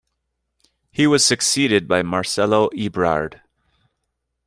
He was succeeded by Marcelo Ebrard.